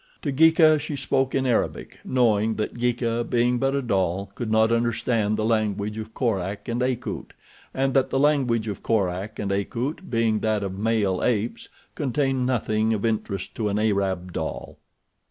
To Geeka she spoke in Arabic, knowing that Geeka, being but a doll, could not understand the language of Korak and Akut, and that the language of Korak and Akut being that of male apes contained nothing of interest to an Arab doll.